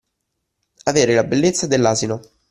Avere la bellezza dell'asino.